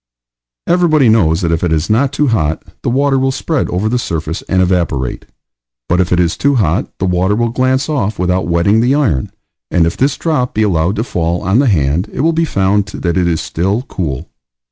Everybody knows that if it is not too hot the water will spread over the surface and evaporate; but if it is too hot, the water will glance off without wetting the iron, and if this drop be allowed to fall on the hand it will be found that it is still cool.